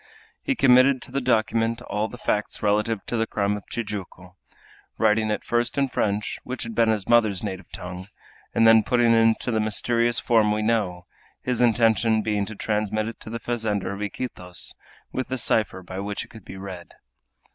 He committed to the document all the facts relative to the crime of Tijuco, writing it first in French, which had been his mother's native tongue, and then putting it into the mysterious form we know, his intention being to transmit it to the fazender of Iquitos, with the cipher by which it could be read.